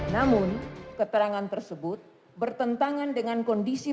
namun keterangan tersebut bertentangan dengan kondisi